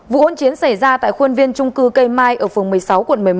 vụ hôn chiến xảy ra tại khuôn viên trung cư cây mai ở phường một mươi sáu quận một mươi một